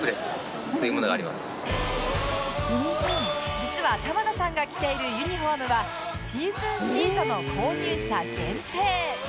実は玉田さんが着ているユニホームはシーズンシートの購入者限定